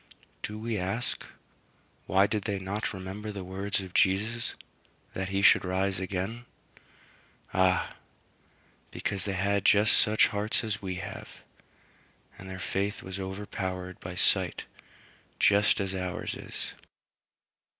Do we ask, Why did they not remember the words of Jesus, that he should rise again? Ah! because they had just such hearts as we have, and their faith was overpowered by sight just as ours is.